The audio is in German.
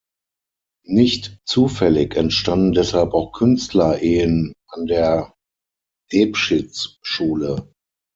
Nicht zufällig entstanden deshalb auch Künstler-Ehen an der Debschitz-Schule.